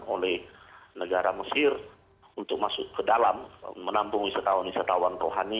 oleh negara mesir untuk masuk ke dalam menampung wisatawan wisatawan rohani